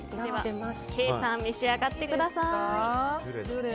ケイさん召し上がってください。